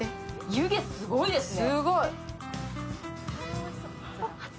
湯気、すごいですね。